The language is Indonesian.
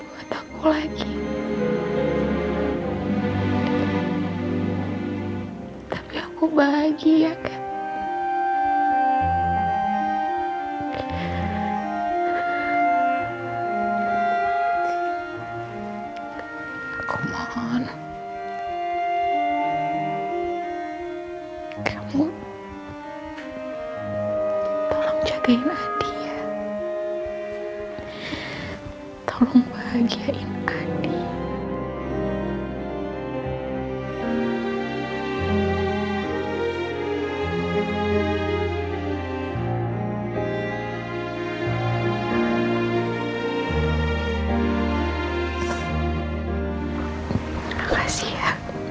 waktu aku ngeliat kalian dansa